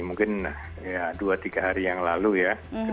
mungkin dua tiga hari yang lalu ya ketika sampel diambil